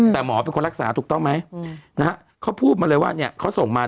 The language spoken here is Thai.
แต่หมอเป็นคนรักษาถูกต้องไหมครับเขาส่งมา